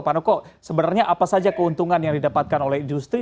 pak noko sebenarnya apa saja keuntungan yang didapatkan oleh industri